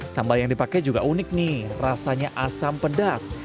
sambal yang dipakai juga unik nih rasanya asam pedas